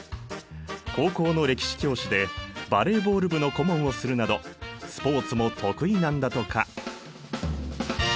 高校の歴史教師でバレーボール部の顧問をするなどスポーツも得意なんだとか！